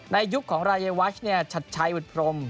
ในยุคของรายวาชชัดชัยอุทธรง